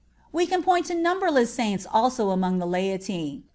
We can point to numberless saints also among the laity.